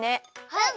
うん！